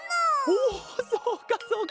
おそうかそうか！